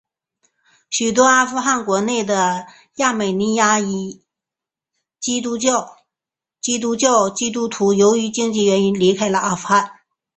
许多阿富汗国内的亚美尼亚裔基督徒由于经济原因离开了阿富汗。